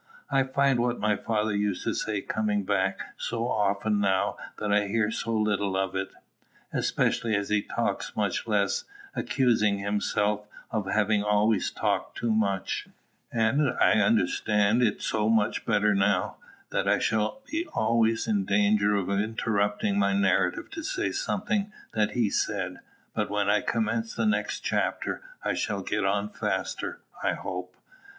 I find what my father used to say coming back so often now that I hear so little of it, especially as he talks much less, accusing himself of having always talked too much, and I understand it so much better now, that I shall be always in danger of interrupting my narrative to say something that he said. But when I commence the next chapter, I shall get on faster, I hope.